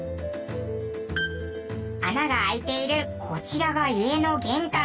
穴が開いているこちらが家の玄関。